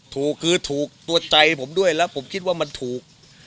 ถูกคือถูกตัวใจผมด้วยแล้วผมคิดว่ามันถูก